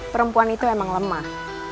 perempuan itu emang lemah